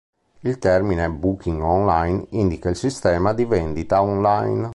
Il termine "booking on line" indica il sistema di vendita "on line".